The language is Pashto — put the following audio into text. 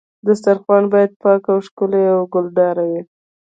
دسترخوان باید پاک او ښکلی او ګلدار وي.